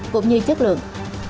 cũng như chất lượng